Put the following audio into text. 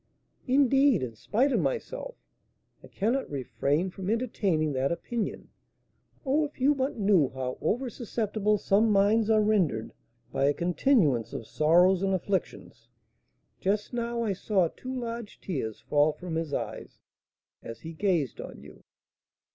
"Indeed, in spite of myself, I cannot refrain from entertaining that opinion. Oh, if you but knew how over susceptible some minds are rendered by a continuance of sorrows and afflictions, just now I saw two large tears fall from his eyes, as he gazed on you."